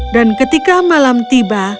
dan ketika malam tiba